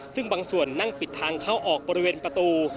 ซึ่งบางส่วนนั่งปิดทางเข้าออกบริเวณประตู